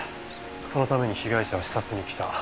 そのために被害者が視察に来た。